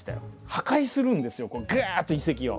破壊するんですよがっと遺跡を。